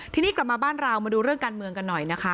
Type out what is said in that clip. ทีนี้กลับมาบ้านเรามาดูเรื่องการเมืองกันหน่อยนะคะ